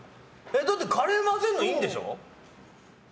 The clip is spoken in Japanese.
だって、カレー混ぜるのいいんでしょ？